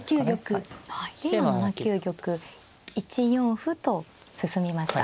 今７九玉１四歩と進みました。